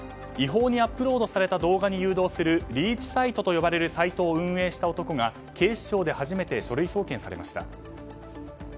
違法にアップロードされた動画に誘導するリーチサイトと呼ばれるサイトを運営した男が、警視庁で初めて書類送検されました。